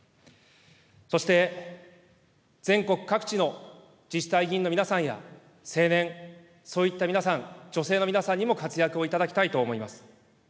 そして全国各地の自治体議員の皆さんや、青年、そういった皆さん、女性の皆さんにも活躍をいただきたいと思います。